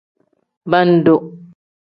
Bendu.